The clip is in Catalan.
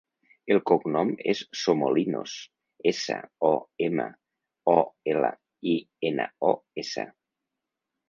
El cognom és Somolinos: essa, o, ema, o, ela, i, ena, o, essa.